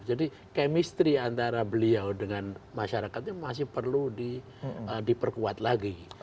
jadi kemistri antara beliau dengan masyarakatnya masih perlu diperkuat lagi